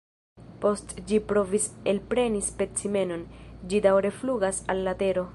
Post ĝi provis elpreni specimenon, ĝi daŭre flugas al la tero.